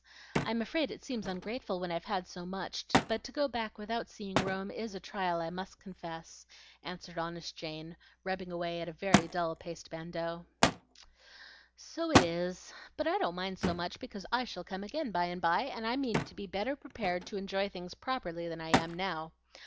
I'm afraid it seems ungrateful when I've had so much; but to go back without seeing Rome is a trial, I confess," answered honest Jane, rubbing away at a very dull paste bandeau. "So it is; but I don't mind so much, because I shall come again by and by, and I mean to be better prepared to enjoy things properly than I am now.